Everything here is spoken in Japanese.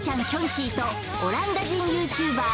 ちぃとオランダ人ＹｏｕＴｕｂｅｒ